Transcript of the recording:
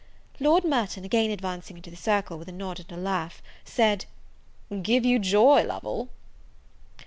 Lord Merton, again advancing into the circle, with a nod and a laugh, said, "Give you joy, Lovel!"